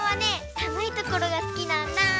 さむいところがすきなんだ。